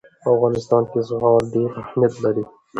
په افغانستان کې زغال ډېر اهمیت لري.